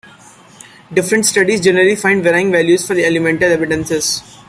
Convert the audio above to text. Different studies generally find varying values for elemental abundances.